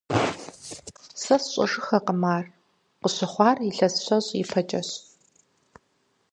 Сэ сщӀэжыххэркъым ар, къыщыхъуар илъэс щэщӀ ипэкӀэщ.